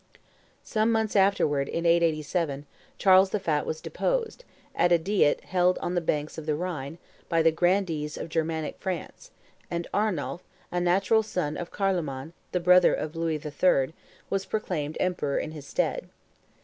Some months afterwards, in 887, Charles the Fat was deposed, at a diet held on the banks of the Rhine, by the grandees of Germanic France; and Arnulf, a natural son of Carloman, the brother of Louis III., was proclaimed emperor in his stead.